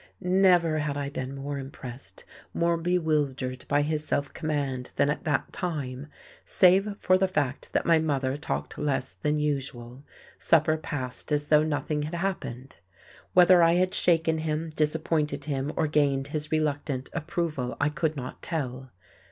Never had I been more impressed, more bewildered by his self command than at that time. Save for the fact that my mother talked less than usual, supper passed as though nothing had happened. Whether I had shaken him, disappointed him, or gained his reluctant approval I could not tell.